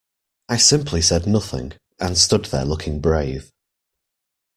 I simply said nothing, and stood there looking brave.